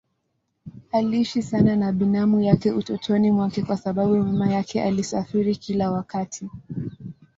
Aliishi sana na binamu yake utotoni mwake kwa sababu mama yake alisafiri kila wakati.